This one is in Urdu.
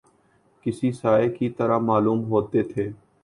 کسی سائے کی طرح معلوم ہوتے تھے